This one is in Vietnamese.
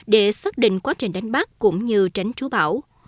để xác định quá trình đánh bắt cũng như tránh chú bão